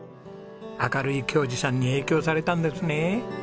明るい恭嗣さんに影響されたんですね。